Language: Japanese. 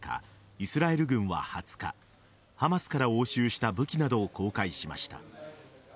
イスラエル軍は２０日ハマスから押収した武器などを公開しました。